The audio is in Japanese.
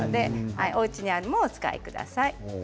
おうちにあるものをお使いください。